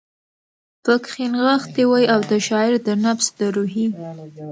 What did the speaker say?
پکښې نغښتی وی، او د شاعر د نفس د روحي